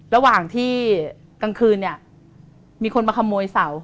ระหว่างที่กลางคืนเนี่ยมีคนมาขโมยเสา